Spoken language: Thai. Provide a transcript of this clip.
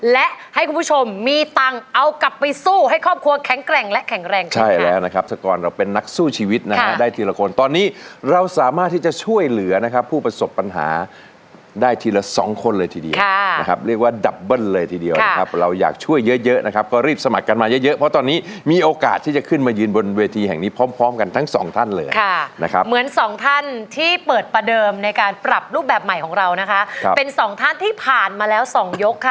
และให้คุณผู้ชมมีตังค์เอากลับไปสู้ให้ครอบครัวแข็งแรงและแข็งแรง